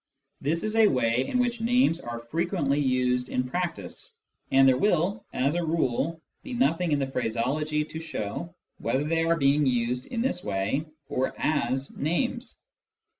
This is a way in which names are frequently used Descriptions 175 in practice, and there will, as a rule, be nothing in the phraseology to show whether they are being used in this way or as names.